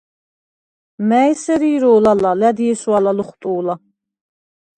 მა̈ჲ ესერ ირო̄ლ ალა̄, ლა̈დი ესვა̄ლა ლოხვტუ̄ლა: